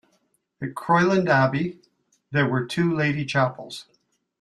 At Croyland Abbey there were two lady chapels.